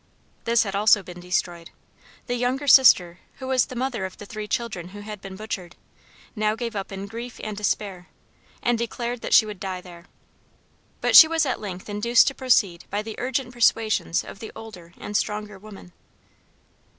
This had also been destroyed. The younger sister, who was the mother of the three children who had been butchered, now gave up in grief and despair, and declared that she would die there. But she was at length induced to proceed by the urgent persuasions of the older and stronger woman.